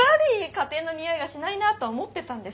家庭のにおいがしないなとは思ってたんです。